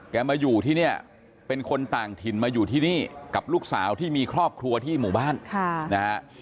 มาอยู่ที่เนี่ยเป็นคนต่างถิ่นมาอยู่ที่นี่กับลูกสาวที่มีครอบครัวที่หมู่บ้านนะฮะ